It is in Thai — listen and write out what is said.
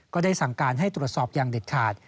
ก็ได้สั่งการให้ตรวจสอบอย่างเด็ดขาด